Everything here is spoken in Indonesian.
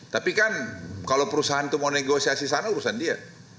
tapi kan kalau perusahaan itu mau negosiasi sana urusan dia